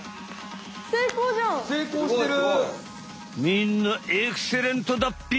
みんなエクセレントだっぺ！